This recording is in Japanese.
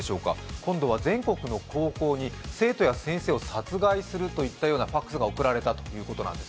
今度は全国の高校に生徒や先生を殺害するといったＦＡＸが送られたということです。